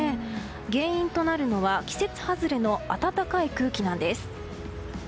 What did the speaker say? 原因となるのは季節外れの暖かい空気なんです。